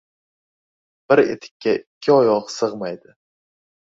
• Bir etikka ikki oyoq sig‘maydi.